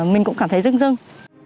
mình cũng cảm thấy rưng rưng